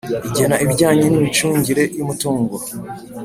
igena ibijyanye n’imicungire y’umutungo